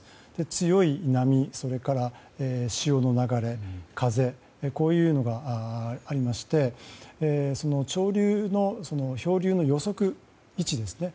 強い波、それから潮の流れ、風こういうのがありましてその漂流の予測位置ですね。